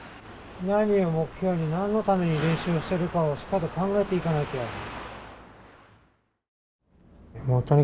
何を目標に何のために練習をしてるかをしっかり考えていかなきゃ。